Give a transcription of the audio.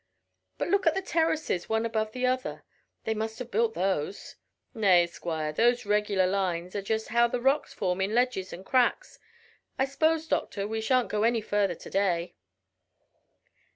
"But look at the terraces one above the other. They must have built those." "Nay, squire; those regular lines are just how the rocks form in ledges and cracks. I s'pose, doctor, we shan't go any further to day?"